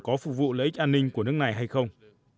có phục vụ lợi ích an ninh của nước này hay không